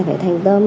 phải thành tôm